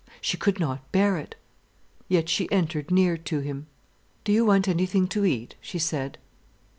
She could not bear it. Yet she entered near to him. "Do you want anything to eat?" she said.